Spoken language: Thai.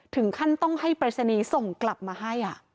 ถึงขั้นต้องให้ปริศนีย์ส่งกลับมาให้